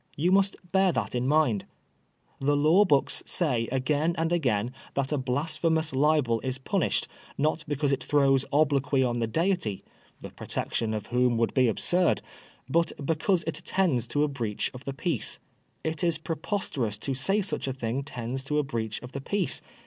Tou must bear that in mind. The law books say again and again that a blasphemous libel is punished, not because it throws obloquy on the deity — ^the protection of whom would be absurd — but because it tends to a breach of the peace. It is preposterous to say such a thing tends to a breach of the peace.